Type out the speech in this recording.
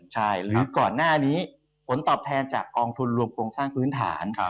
ใช่หรือก่อนหน้านี้ผลตอบแทนจากกองทุนรวมโครงสร้างพื้นฐาน